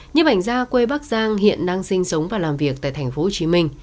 như ảnh gia quê bác giang hiện đang sinh sống và làm việc tại tp hcm